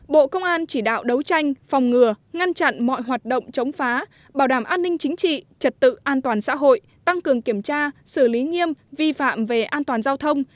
bộ công an chỉ đạo đấu tranh phòng ngừa ngăn chặn mọi hoạt động chống phá bảo đảm an ninh chính trị trật tự an toàn xã hội tăng cường kiểm tra xử lý nghiêm vi phạm về an toàn giao thông